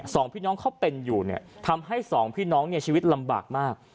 สองพี่น้องเขาเป็นอยู่เนี่ยทำให้สองพี่น้องเนี่ยชีวิตลำบากมาก